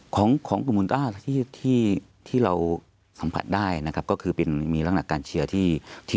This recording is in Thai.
ของกลุ่มอุณตราที่เราสัมผัสได้นะครับก็คือเป็นมีลักษณะการเชียร์ที่ดุดัน